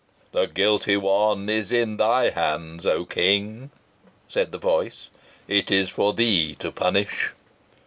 "The guilty one is in thy hands, O King!" said the voice. "It is for thee to punish."